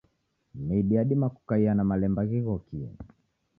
Midi yadima kukaia na malemba ghighokie.